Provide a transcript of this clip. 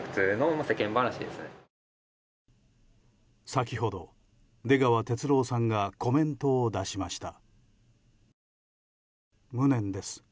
先ほど出川哲朗さんがコメントを出しました。